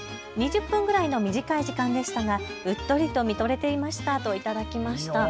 ２０分ぐらいの短い時間でしたがうっとりと見とれていましたと頂きました。